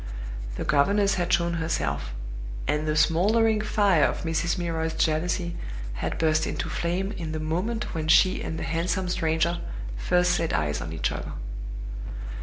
The governess had shown herself; and the smoldering fire of Mrs. Milroy's jealousy had burst into flame in the moment when she and the handsome stranger first set eyes on each other.